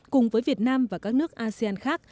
cùng với việt nam và các nước asean khác